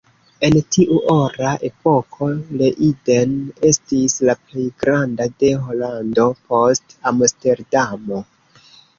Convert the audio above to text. En tiu Ora Epoko, Leiden estis la plej granda de Holando, post Amsterdamo.